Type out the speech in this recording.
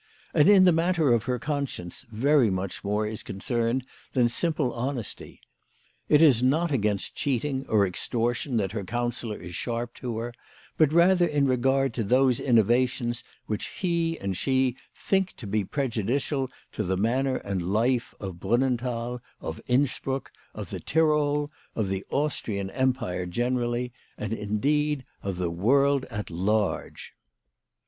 And in the matter of her conscience very much more is concerned than simple honesty. It is not against cheating or extortion that her counselor is sharp to her ; but rather in regard to those innovations which he and she think to be prejudicial to the manner and life of Brunnenthal, of Innsbruck, of the Tyrol, of the Austrian empire generally, and, indeed, of the world at large.